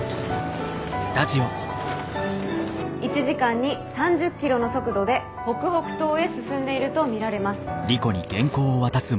１時間に３０キロの速度で北北東へ進んでいると見られます。